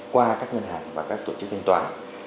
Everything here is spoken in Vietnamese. qua các nhân hành và các tổ chức thanh toán